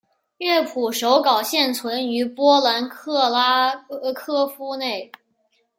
乐谱手稿现存于波兰克拉科夫内。